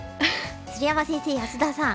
鶴山先生安田さん